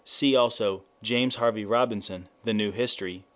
See also James Harvey Robinson, The New History, p.